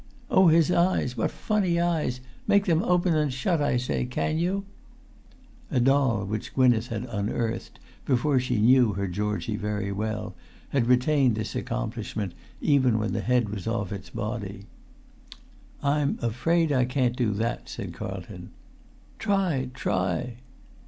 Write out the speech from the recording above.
"Oh, his eyes! What funny eyes! Make them open and shut, I say—can you?" A doll, which Gwynneth had unearthed, before she knew her Georgie very well, had retained this accomplishment even when the head was off its body. "I'm afraid I can't do that," said Carlton. "Try—try."